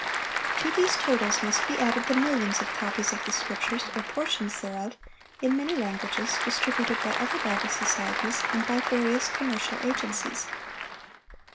To these totals must be added the millions of copies of the Scriptures or portions thereof, in many languages, distributed by other Bible societies and by various commercial agencies.